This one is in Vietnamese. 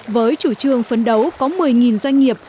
với chủ trương phấn đấu có một mươi doanh nghiệp